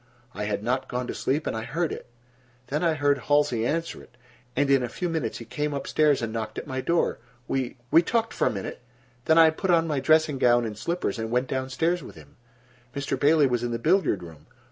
I had not gone to sleep, and I heard it. Then I heard Halsey answer it, and in a few minutes he came up stairs and knocked at my door. We—we talked for a minute, then I put on my dressing gown and slippers, and went down stairs with him. Mr. Bailey was in the billiard room.